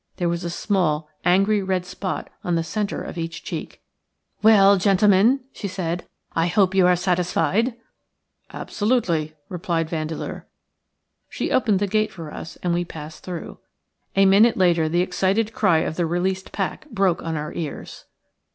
There was a small, angry red spot on the centre of each cheek. "Well, gentlemen," she said, "I hope you are satisfied?" "Absolutely," replied Vandeleur. She opened the gate for us and we passed through. A minute later the excited cry of the released pack broke on our ears.